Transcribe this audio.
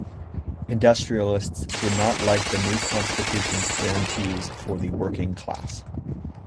Industrialists did not like the new Constitution's guarantees for the working class.